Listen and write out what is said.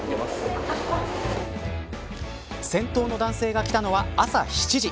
先頭の男性が来たのは朝７時。